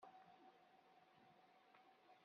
Ẓẓu isekla!